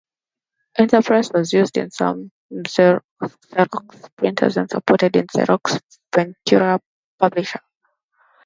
Interpress was used in some Xerox printers, and supported in Xerox Ventura Publisher.